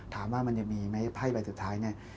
ถามว่ามันยังมีไหมไพ่ใบสุดท้ายเนี่ย